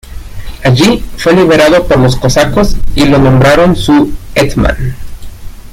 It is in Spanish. Allí, fue liberado por los cosacos y lo nombraron su "hetman".